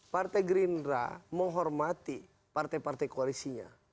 partai green ra menghormati partai partai koalisinya